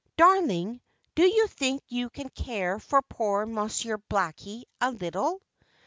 Darling, do you think you can care for poor Monsieur Blackie a little?"